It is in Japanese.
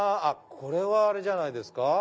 これはあれじゃないですか？